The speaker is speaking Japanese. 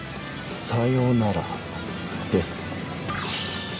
さようならです！